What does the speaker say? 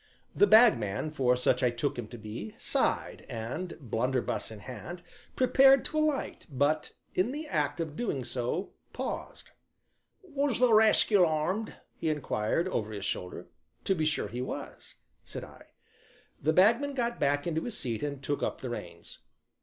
The Bagman, for such I took him to be, sighed, and, blunderbuss in hand, prepared to alight, but, in the act of doing so, paused: "Was the rascal armed?" he inquired, over his shoulder "To be sure he was," said I. The Bagman got back into his seat and took up the reins.